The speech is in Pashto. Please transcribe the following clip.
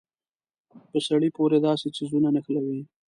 په سړي پورې داسې څيزونه نښلوي.